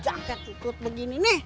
jaket ikut begini nih